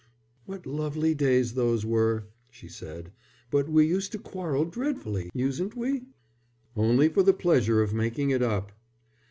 "What lovely days those were!" she said. "But we used to quarrel dreadfully, usen't we?" "Only for the pleasure of making it up."